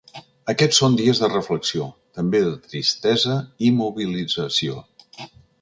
Aquests són dies de reflexió, també de tristesa i mobilització.